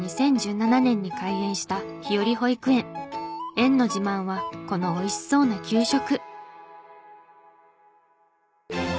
園の自慢はこのおいしそうな給食。